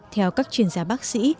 theo các chuyên gia bác sĩ